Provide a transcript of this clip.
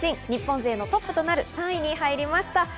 日本勢のトップとなる３位に入りました。